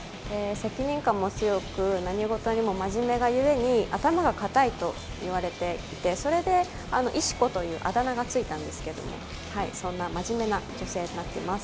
責任感も強く、何事にも真面目がゆえに頭がかたいと言われていてそれで石子というあだ名がついたんですけども、そんな真面目な女性になっています。